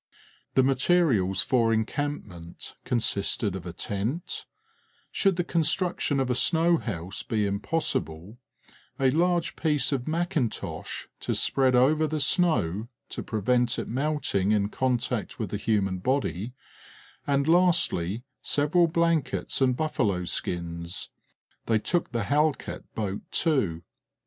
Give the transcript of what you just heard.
The materials for encampment consisted of a tent, should the construction of a snow house be impossible, a large piece of mackintosh to spread over the snow, to prevent it melting in contact with the human body, and lastly, several blankets and buffalo skins. They took the halkett boat too.